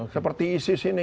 seperti isis ini